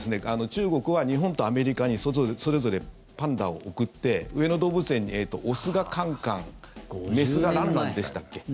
中国は日本とアメリカにそれぞれパンダを送って上野動物園に雄がカンカン雌がランランでしたっけ。